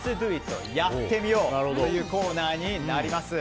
やってみようというコーナーです。